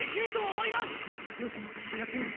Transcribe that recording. よしやってみろ。